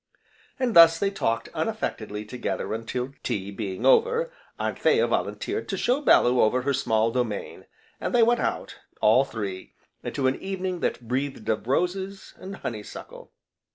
And thus they talked unaffectedly together until, tea being over, Anthea volunteered to show Bellew over her small domain, and they went out, all three, into an evening that breathed of roses, and honeysuckle.